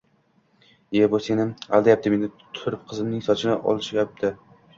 E-ey bu seni aldayapti meni turtib qizimning sochiga yopishdi